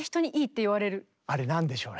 あれ何でしょうね？